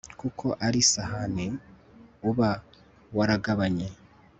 kuko ari sahani uba waragabanye